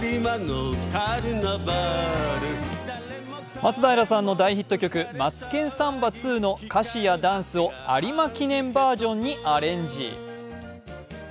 松平さんの大ヒット曲「マツケンサンバⅡ」の歌詞やダンスを有馬記念バージョンにアレンジ。